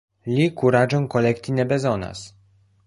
Li kuraĝon kolekti ne bezonas.